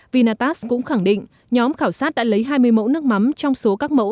vinatas cũng khẳng định nhóm khảo sát đã lấy hai mươi mẫu nước mắm trong số các mẫu